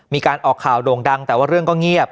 มีการออกข่าวโด่งดังแต่ว่าเรื่องก็เงียบ